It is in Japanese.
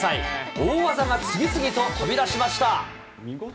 大技が次々と飛び出しました。